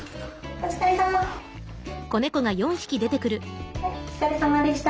お疲れさまでした。